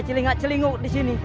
celing celinguk di sini